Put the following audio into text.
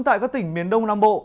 tại các tỉnh miền đông nam bộ